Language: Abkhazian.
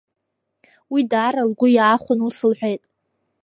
Уи даара лгәы иаахәаны ус лҳәеит…